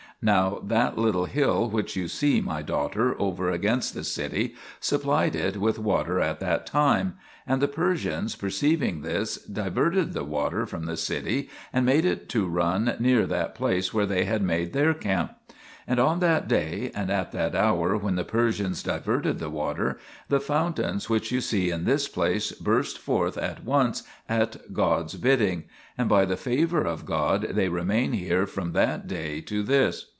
Now that little hill which you see, my daughter, over against the city, supplied it with water at that time, and the Persians, perceiving this, diverted the water from the city and made it to run near that place where they had made their camp. And on that day and at that hour when the Persians diverted the water, the fountains which you see in this place burst forth at once at God's bidding, and by the favour of God they remain here from that day to this.